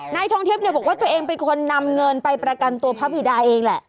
นายทองทิพย์บอกว่าตัวเองเป็นคนนำเงินไปประกันตัวพระบิดาเองแหละ